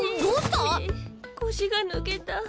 腰が抜けた。